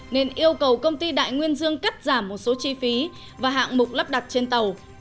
nên yêu cầu công ty đại nguyên dương cắt giảm một số chi phí và hạng mục lắp đặt trên tàu